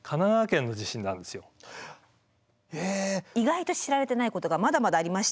意外と知られてないことがまだまだありまして。